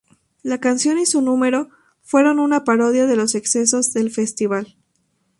La canción, y su número, fueron una parodia de los excesos del festival.